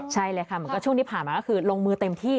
ใช่เลยค่ะช่วงที่ผ่านมาก็คือลงมือเต็มที่